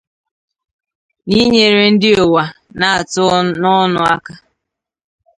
na inyere ndị ụwa na-atụ n'ọnụ aka